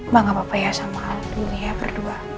mak gak apa apa ya sama al dulu ya berdua